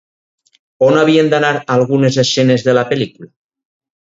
On havien d'anar algunes escenes de la pel·lícula?